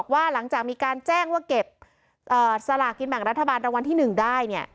ว่าหลังจากมีการแจ้งว่าเก็บสลากกินแบ่งรัฐบาลรางวัลที่๑ได้